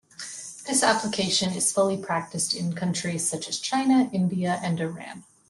This application is fully practiced in countries such as China, India and Iran.